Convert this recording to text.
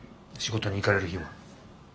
仕事に行かれる日は？